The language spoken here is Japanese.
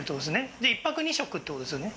じゃあ１泊２食ってことですよね